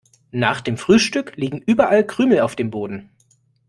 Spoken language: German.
Nach dem Frühstück liegen überall Krümel auf dem Boden.